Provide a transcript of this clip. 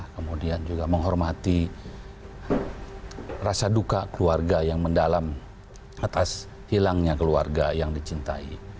kemudian juga menghormati rasa duka keluarga yang mendalam atas hilangnya keluarga yang dicintai